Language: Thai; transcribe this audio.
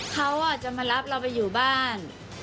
เขาจะมารับเราไปอยู่บ้าน